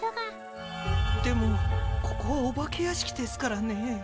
でもここはお化け屋敷ですからねえ。